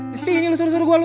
disini lu suruh suruh gua lu